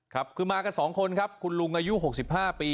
ครับขึ้นมากันสองคนครับคุณลุงอายุหกสิบห้าปี